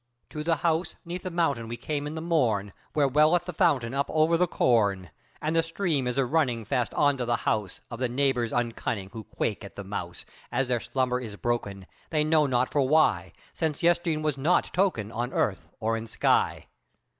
To the House 'neath the mountain we came in the morn, Where welleth the fountain up over the corn, And the stream is a running fast on to the House Of the neighbours uncunning who quake at the mouse, As their slumber is broken; they know not for why; Since yestreen was not token on earth or in sky.